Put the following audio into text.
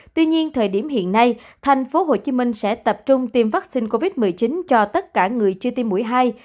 tuy nhiên thời điểm hiện nay tp hcm sẽ tập trung tiêm vaccine covid một mươi chín cho tất cả người chưa tiêm mũi hai